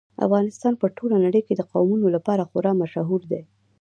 افغانستان په ټوله نړۍ کې د قومونه لپاره خورا مشهور دی.